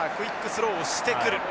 スローをしてくる。